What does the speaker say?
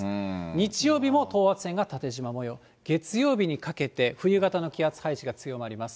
日曜日も等圧線が縦じま模様、月曜日にかけて冬型の気圧配置が強まります。